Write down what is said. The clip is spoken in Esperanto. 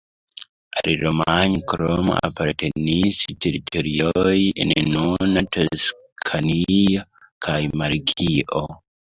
Al Romanjo krome apartenis teritorioj en nuna Toskanio kaj Markio.